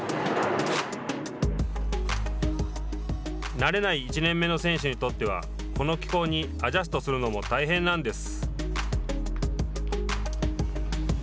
慣れない１年目の選手にとってはこの気候にアジャストするのも大変なんです。